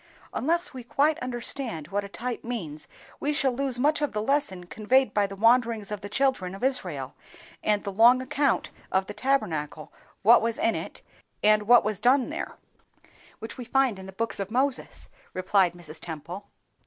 "Unless we quite understand what a type means, we shall lose much of the lesson conveyed by the wanderings of the children of Israel, and the long account of the Tabernacle, what was in it, and what was done there, which we find in the books of Moses," remarked Mrs. Temple.